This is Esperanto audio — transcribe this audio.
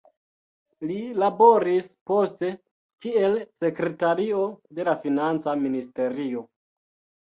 Li laboris poste kiel sekretario de la Financa ministerio.